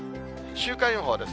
週間予報です。